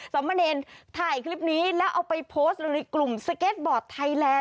สมเนรถ่ายคลิปนี้แล้วเอาไปโพสต์ในกลุ่มสเก็ตบอร์ดไทยแลนด